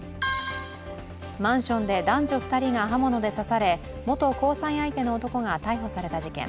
マンションで男女２人が刃物で刺され元交際相手の男が逮捕された事件。